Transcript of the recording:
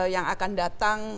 yang akan datang